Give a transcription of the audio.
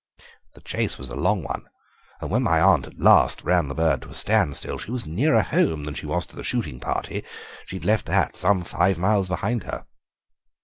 The chase was a long one, and when my aunt at last ran the bird to a standstill she was nearer home than she was to the shooting party; she had left that some five miles behind her."